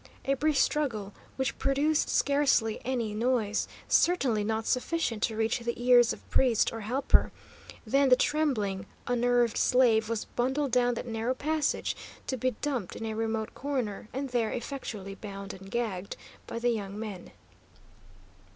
A brief struggle, which produced scarcely any noise, certainly not sufficient to reach the ears of priest or helper, then the trembling, unnerved slave was bundled down that narrow passage, to be dumped in a remote corner, and there effectually bound and gagged by the young men.